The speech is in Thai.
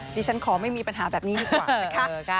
ค่ะดิฉันขอไม่มีปัญหาแบบนี้ดีกว่า